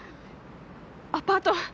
アパート